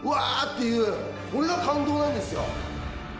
ていうこれが感動なんですよ